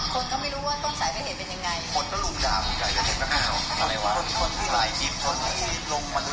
คนก็ไม่รู้ว่าต้องสายเพศเป็นอย่างไร